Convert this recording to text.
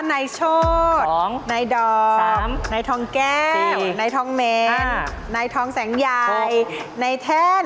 นายโชธนายดอมนายทองแก้วนายทองเมนนายทองแสงใหญ่นายแท่น